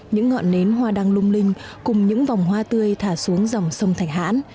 những ngọn nến hoa đăng lung linh cùng những vòng hoa tươi thả xuống dòng sông thạch hãn